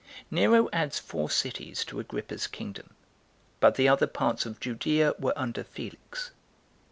Nero Adds Four Cities To Agrippas Kingdom; But The Other Parts Of Judea Were Under Felix.